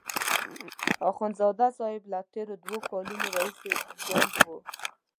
اخندزاده صاحب له تېرو دوو کالو راهیسې کونډ وو.